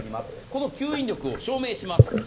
この吸引力を証明します。